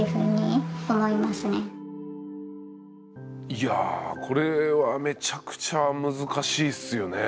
いやこれはめちゃくちゃ難しいっすよね。